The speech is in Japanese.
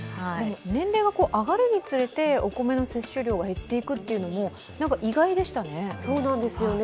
年齢が上がるにつれてお米の摂取量が減っていくというのも意外でしたね。